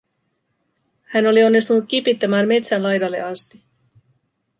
Hän oli onnistunut kipittämään metsän laidalle asti.